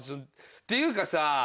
っていうかさ